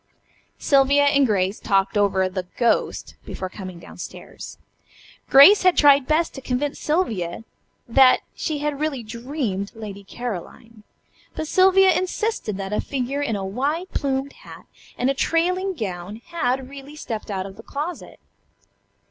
Sylvia and Grace had talked over the "ghost" before coming down stairs. Grace had tried best to convince Sylvia that she had really dreamed "Lady Caroline," but Sylvia insisted that a figure in a wide plumed hat and a trailing gown had really stepped out of the closet.